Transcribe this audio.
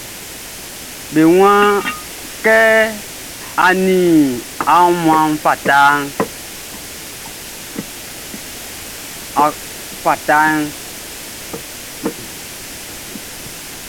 Be waan kɛ a nin a wumanʼn, ɔ fata kɛ a di aliɛ kpa.